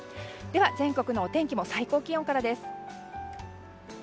では、全国のお天気も最高気温からです。